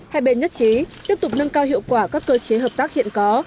hai bên nhất trí tiếp tục nâng cao hiệu quả các cơ chế hợp tác hiện có